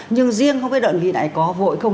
nhưng riêng không biết đơn vị này có vội không